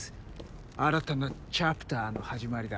新たなチャプターの始まりだ。